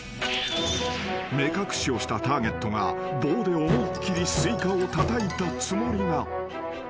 ［目隠しをしたターゲットが棒で思いっ切りスイカをたたいたつもりが］